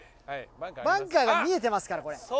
バンカーが見えてますからこれ。